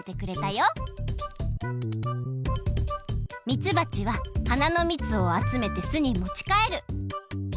みつばちは花のみつをあつめてすにもちかえる。